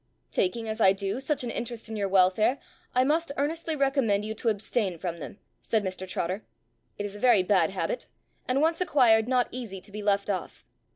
"Taking, as I do, such an interest in your welfare, I must earnestly recommend you to abstain from them," said Mr Trotter. "It is a very bad habit, and once acquired, not easy to be left off.